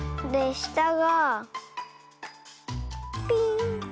したがピーン。